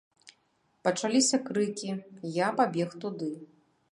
Пачаліся крыкі, я пабег туды.